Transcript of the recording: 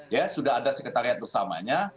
ya sudah ada sekretariat bersamanya